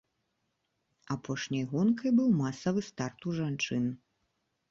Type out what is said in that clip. Апошняй гонкай быў масавы старт у жанчын.